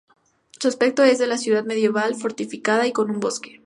Su aspecto es el de una ciudad medieval, fortificada y con un bosque.